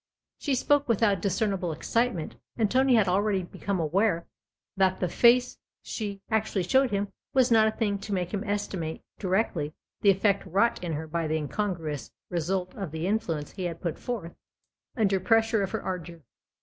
She spoke without discernible excitement, and Tony had already become aware that the face she 194 THE OTHER HOUSE actually showed him was not a thing to make him estimate directly the effect wrought in her by the incongruous result of the influence he had put forth under pressure of her ardour.